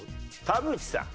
田渕さん。